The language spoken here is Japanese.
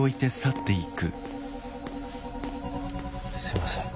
すいません。